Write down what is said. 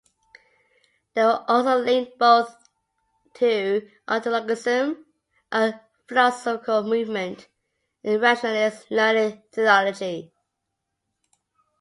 They were also linked both to ontologism, a philosophical movement, and rationalist-leaning theology.